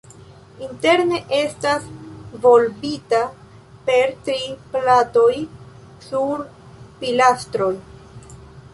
Interno estas volbita per tri platoj sur pilastroj.